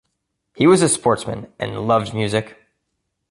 He was a sportsman and loved music.